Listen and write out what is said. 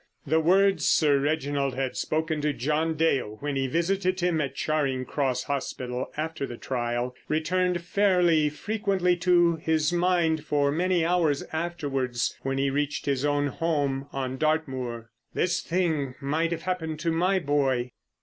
The words Sir Reginald had spoken to John Dale when he visited him at Charing Cross hospital after the trial, returned fairly frequently to his mind for many hours afterwards when he reached his own home on Dartmoor. "This thing might have happened to my boy."